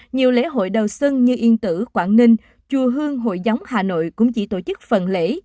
nhiều lễ hội đầu xuân như yên tử quảng ninh chùa hương hội gióng hà nội cũng chỉ tổ chức phần lễ